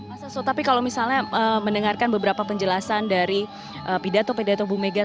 mas sasso tapi kalau misalnya mendengarkan beberapa penjelasan dari pidato pidato ibu megawati